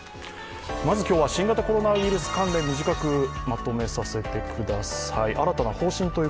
まず、今日は新型コロナウイルス短くまとめさせてください。